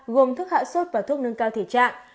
gồm thức hạ sốt và thuốc nâng cao thể trạng